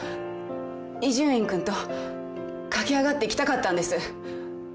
伊集院君と駆け上がっていきたかったんです。